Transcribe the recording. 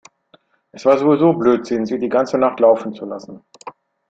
Es war sowieso Blödsinn, sie die ganze Nacht laufen zu lassen.